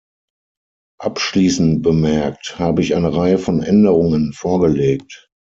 Abschließend bemerkt, habe ich eine Reihe von Änderungen vorgelegt.